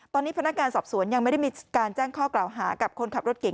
ตอนนี้พนักงานสอบสวนยังไม่ได้มีการแจ้งข้อกล่าวหากับคนขับรถเก่ง